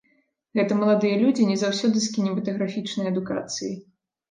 Гэта маладыя людзі не заўсёды з кінематаграфічнай адукацыяй.